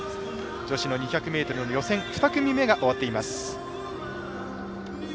女子の２００ｍの予選２組目、終わっています。